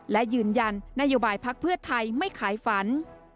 และยืนยันนโยบายพักเพื่อไทยไม่ขายฝัน